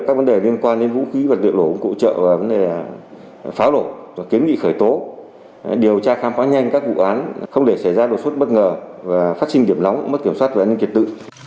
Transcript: các vấn đề liên quan đến vũ khí vật liệu nổ công cụ hỗ trợ vấn đề pháo nổ kiến nghị khởi tố điều tra khám phá nhanh các vụ án không để xảy ra đột xuất bất ngờ phát sinh điểm lóng mất kiểm soát và an ninh kiệt tự